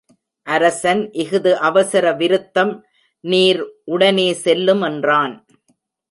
அரசன் இஃது அவசர விருத்தம் நீர் உடனே செல்லுமென்றான்.